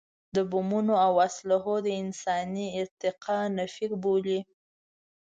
د بمونو او اسلحو د انساني ارتقا نفي بولي.